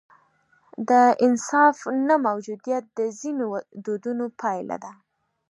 د انصاف نه موجودیت د ځینو دودونو پایله ده.